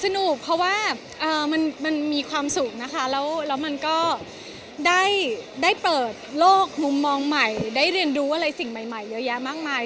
เพราะว่ามันมีความสุขนะคะแล้วมันก็ได้เปิดโลกมุมมองใหม่ได้เรียนรู้อะไรสิ่งใหม่เยอะแยะมากมาย